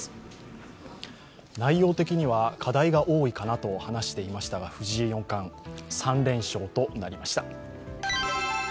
内容的には課題が多いかなと話していましたが、藤井四冠、３連勝となりました。